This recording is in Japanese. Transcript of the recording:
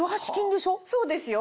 そうですよ。